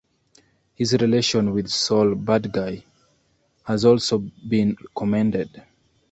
His relation with Sol Badguy has also been commended.